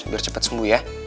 biar cepet sembuh ya